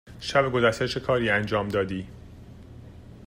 شب گذشته چه کاری انجام دادی؟